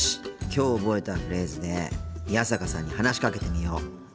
きょう覚えたフレーズで宮坂さんに話しかけてみよう。